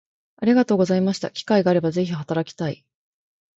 ありがとうございました機会があれば是非働きたい